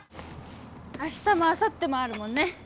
明日もあさってもあるもんね。